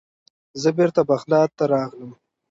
زه بیرته بغداد ته راغلم.